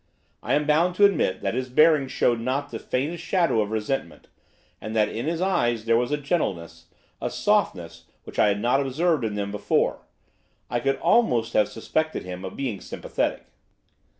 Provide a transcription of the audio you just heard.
I am bound to admit that his bearing showed not the faintest shadow of resentment, and that in his eyes there was a gentleness, a softness, which I had not observed in them before, I could almost have suspected him of being sympathetic.